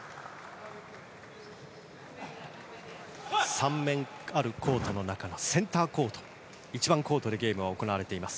３面あるコートの中のセンターコート１番コートでゲームが行われています。